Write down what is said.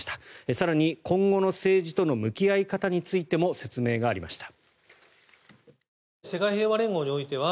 更に今後の政治との向き合い方についても説明がありました。